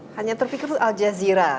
hanya terpikir al jazeera